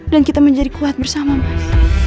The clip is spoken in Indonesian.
dan kita menjadi kuat bersama mas